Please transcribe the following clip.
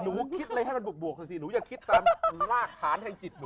หนูคิดเลยให้มันบวกสิหนูอย่าคิดตามรากฐานแห่งจิตหนูนี่